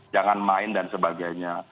jangan main dan sebagainya